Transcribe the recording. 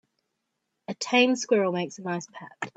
A tame squirrel makes a nice pet.